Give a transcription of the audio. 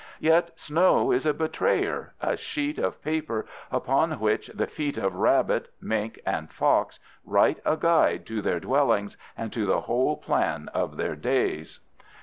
Yet snow is a betrayer, a sheet of paper upon which the feet of rabbit, mink, and fox write a guide to their dwellings and to the whole plan of their days.